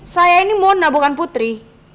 saya ini mona bukan putri